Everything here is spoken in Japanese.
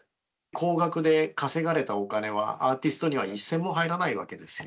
高額で稼がれたお金はアーティストには一銭も入らないわけですよ。